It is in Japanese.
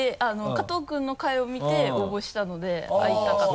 加藤君の回を見て応募したので会いたかった。